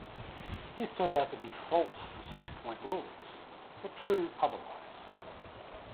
This turned out to be false for six-point rulers, but true otherwise.